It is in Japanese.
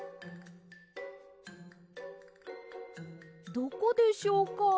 どこでしょうか？